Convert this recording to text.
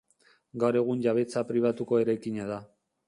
Gaur egun jabetza pribatuko eraikina da.